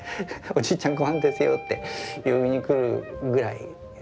「おじいちゃんごはんですよ」って呼びに来るぐらい。